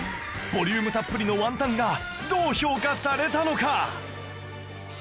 ボリュームたっぷりのワンタンがどう評価されたのか？